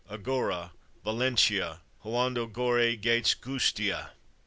agora! Valentia, jouando goure gaits goustia!